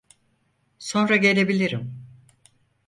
Sonra gelebilirim.